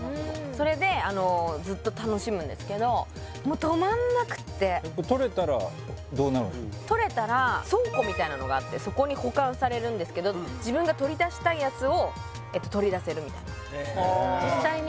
それであのずっと楽しむんですけどもう止まんなくって取れたら倉庫みたいなのがあってそこに保管されるんですけど自分が取り出したいやつを取り出せるみたいな実際に？